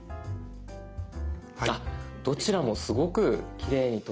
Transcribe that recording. あっどちらもすごくきれいに撮れてます。